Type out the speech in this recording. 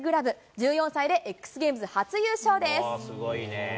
１４歳でＸＧａｍｅｓ初優勝です。